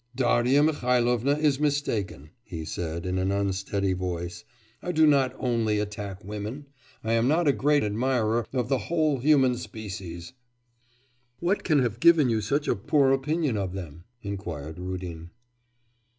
'Darya Mihailovna is mistaken,' he said in an unsteady voice, 'I do not only attack women; I am not a great admirer of the whole human species.' 'What can have given you such a poor opinion of them?' inquired Rudin.